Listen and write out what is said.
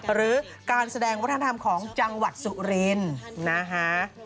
หรือการแสดงวัฒนธรรมของจังหวัดสุรินทร์นะคะ